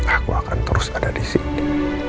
aku akan terus ada di sini